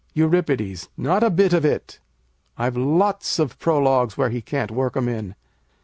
Eur. Not a bit of it. I've lots of prologues where he can't work 'em in.